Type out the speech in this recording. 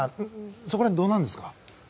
そこら辺、どうなんですか？